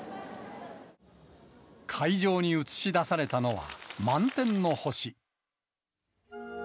会場に映し出されたのは、満天の星。